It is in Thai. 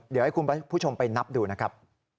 เดี๋ยวให้คุณผู้ชมไปนับดูนะครับ